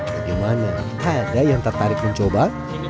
bagaimana ada yang tertarik mencoba